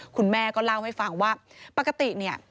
คุณแม่ก็เล่าให้ฟังว่าปกติเนี่ย